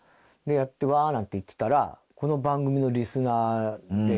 やってうわー！なんていってたらこの番組のリスナーで。